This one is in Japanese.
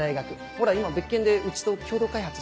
ほら今別件でうちと共同開発してる。